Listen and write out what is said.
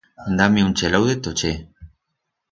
Da-me un chelau de tochet.